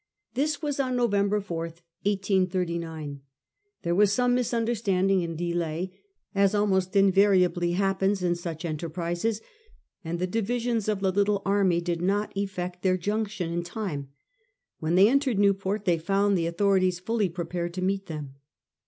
This was on November 4, 1839. There was some misunderstanding and delay, as almost inva riably happens in such enterprises, and the divi sions of the little army did not effect their junction in time. When they entered Newport, they found the authorities fully prepared to meet them.